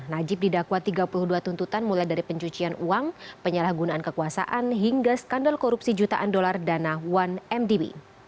najib didakwa tiga puluh dua tuntutan mulai dari pencucian uang penyalahgunaan kekuasaan hingga skandal korupsi jutaan dolar dana satu mdb